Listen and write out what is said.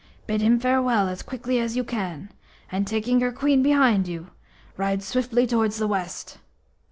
Bid him farewell as quickly as you can, and, taking your Queen behind you, ride swiftly towards the west.